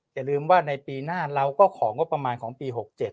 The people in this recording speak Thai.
อย่าลืมว่าในปีหน้าเราก็ของงบประมาณของปี๖๗